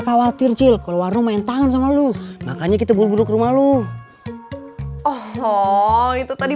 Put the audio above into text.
khawatir cilku warung main tangan sama lu makanya kita buruk rumah lu oh itu tadi